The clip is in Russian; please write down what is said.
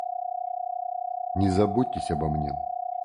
Не заботьтесь обо мне.